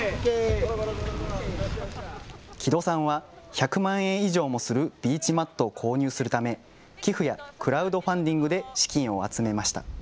木戸さんは、１００万円以上もするビーチマットを購入するため寄付やクラウドファンディングで資金を集めました。